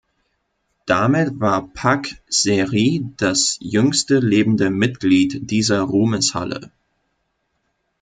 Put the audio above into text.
Damit war Pak Se-ri das jüngste lebende Mitglied dieser Ruhmeshalle.